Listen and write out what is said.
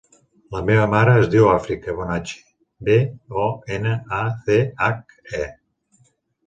La meva mare es diu Àfrica Bonache: be, o, ena, a, ce, hac, e.